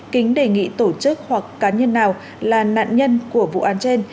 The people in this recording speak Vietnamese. kính đề nghị tổ chức hoặc cá nhân nào là nạn nhân của vụ án trên